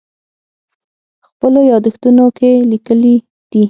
خپلو یادښتونو کې لیکلي دي.